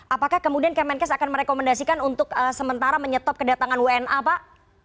apakah kemudian kemenkes akan merekomendasikan untuk sementara menyetop kedatangan wna pak